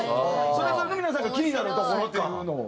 それぞれの皆さんが気になるところっていうのを。